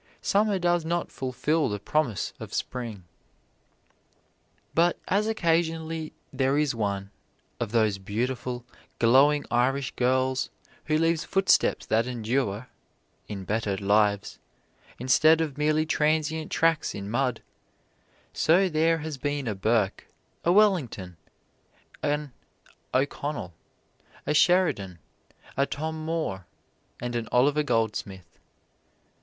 Summer does not fulfil the promise of Spring. But as occasionally there is one of those beautiful, glowing Irish girls who leaves footsteps that endure (in bettered lives), instead of merely transient tracks in mud, so there has been a Burke, a Wellington, an O'Connell, a Sheridan, a Tom Moore and an Oliver Goldsmith.